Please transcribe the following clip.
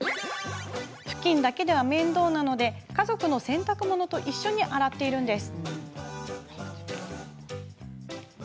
ふきんだけでは面倒なので家族の洗濯物と一緒に洗っているんです。